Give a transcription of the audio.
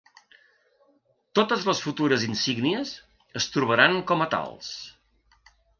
Totes les futures insígnies es trobaran com a tals.